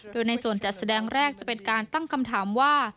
โดยในส่วนจัดแสดงแรกจะเป็นการตั้งคำถามว่า